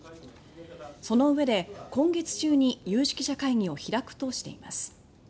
その上で、今月中に有識者会議を開くとしています。